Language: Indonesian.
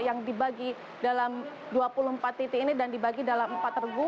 yang dibagi dalam dua puluh empat titik ini dan dibagi dalam empat regu